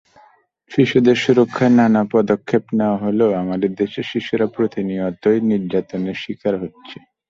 শিশুদের সুরক্ষায় নানা পদক্ষেপ নেওয়া হলেও আমাদের দেশে শিশুরা প্রতিনিয়তই নির্যাতনের শিকার হচ্ছে।